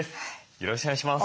よろしくお願いします。